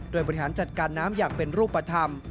โดยบริหารจัดการน้ำอย่างเป็นรูปธรรม